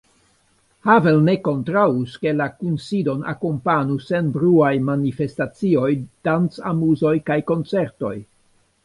Havel ne kontraŭus, ke la kunsidon akompanu senbruaj manifestacioj, dancamuzoj kaj koncertoj.